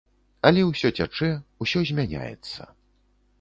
Але ўсё цячэ, усё змяняецца.